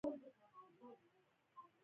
د پښتنو په کلتور کې وعده خلافي ګناه ده.